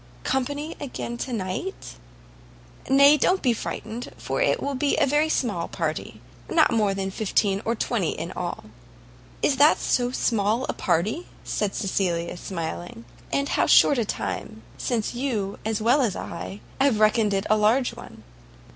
"Company again to night?" "Nay, don't be frightened, for it will be a very small party; not more than fifteen or twenty in all." "Is that so small a party?" said Cecilia, smiling; "and how short a time since would you, as well as I, have reckoned it a large one!"